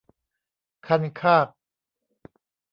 คันคาก